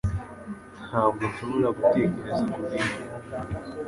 Ntabwo nshobora gutekereza kubindi